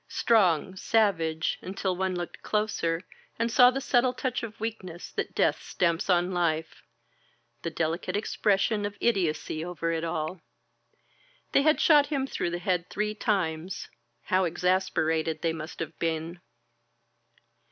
Strong, savage, until one looked closer and saw the subtle touch of weakness that death stamps on life — ^the delicate expression of idiocy over it all. They had shot him through the head three times — how exas perated they must have been!